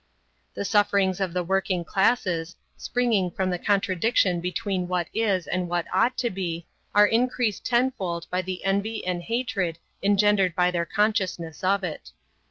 The sufferings of the working classes, springing from the contradiction between what is and what ought to be, are increased tenfold by the envy and hatred engendered by their consciousness of it.